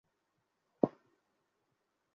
আহা, আমিও করি না!